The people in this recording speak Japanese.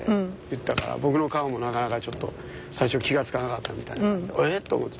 僕の顔もなかなかちょっと最初気が付かなかったみたいなんだけどええ？と思って。